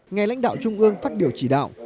nghe lãnh đạo trung ương phát biểu chỉ đạo